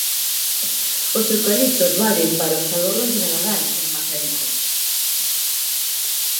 Os eucaliptos valen para os adornos de Nadal en Mazaricos.